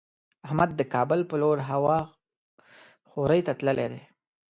احمد د کابل په لور هوا خورۍ ته تللی دی.